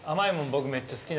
僕めっちゃ好き。